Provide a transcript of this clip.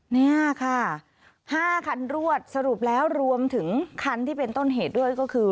นี่ค่ะ๕คันรวดสรุปแล้วรวมถึงคันที่เป็นต้นเหตุด้วยก็คือ